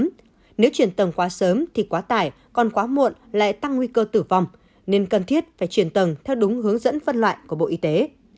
nhưng nếu chuyển tầng quá sớm thì quá tải còn quá muộn lại tăng nguy cơ tử vong nên cần thiết phải chuyển tầng theo đúng hướng dẫn phân loại của bộ y tế